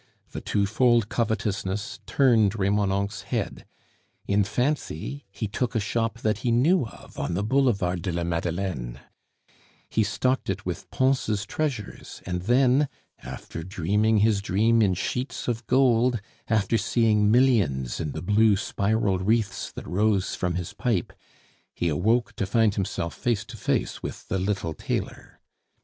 The twofold covetousness turned Remonencq's head. In fancy he took a shop that he knew of on the Boulevard de la Madeleine, he stocked it with Pons' treasures, and then after dreaming his dream in sheets of gold, after seeing millions in the blue spiral wreaths that rose from his pipe, he awoke to find himself face to face with the little tailor.